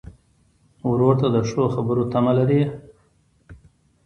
ورور ته د ښو خبرو تمه لرې.